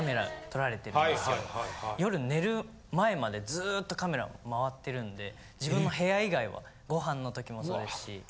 夜寝る前までずっとカメラ回ってるんで自分の部屋以外はご飯の時もそうですし。